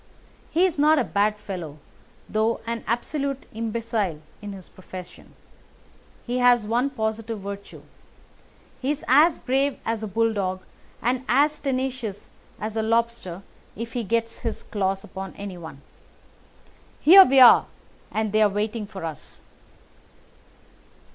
He is not a bad fellow, though an absolute imbecile in his profession. He has one positive virtue. He is as brave as a bulldog and as tenacious as a lobster if he gets his claws upon anyone. Here we are, and they are waiting for us."